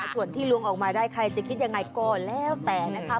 ส่วนที่ลวงออกมาได้ใครจะคิดยังไงก็แล้วแต่นะคะ